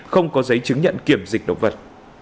không có giấy chứng nhận kiểm dịch động vật